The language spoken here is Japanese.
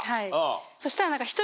そしたら。